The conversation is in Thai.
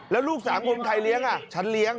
แล้วลูก๓คนใครเลี้ยงฉันเลี้ยง